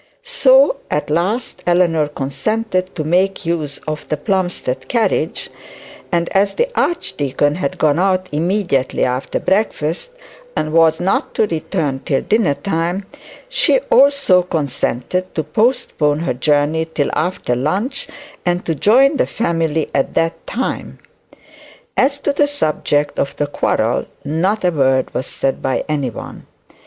So at last Eleanor consented to make use of the Plumstead carriage; and as the archdeacon had gone out immediately after breakfast and was not to return till dinner time, she also consented to postpone her journey till after lunch, and to join the family at that time. As to the subject of the quarrel not a word was said by any one.